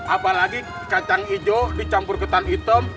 apalagi kacang hijau dicampur ketan hitam